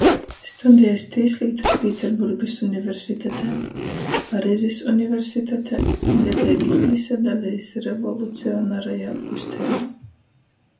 Studiejs tīslītys Pīterburgys universitatē, Parizis universitatē, dedzeigi pīsadalejs revolucionarajā kusteibā.